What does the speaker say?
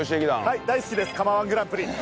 はい大好きです釜−１グランプリ！